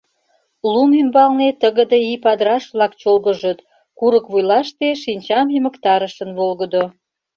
Лум ӱмбалне тыгыде ий падыраш-влак чолгыжыт, курык вуйлаште шинчам йымыктарышын волгыдо.